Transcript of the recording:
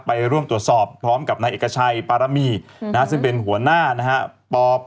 ไปร่วมตรวจสอบพร้อมกับนายเอกชัยปารมีซึ่งเป็นหัวหน้านะฮะ